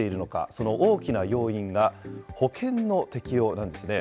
その大きな要因が保険の適用なんですね。